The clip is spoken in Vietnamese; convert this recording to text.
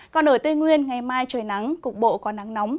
còn ở tây nguyên ngày mai trời nắng cục bộ có nắng nóng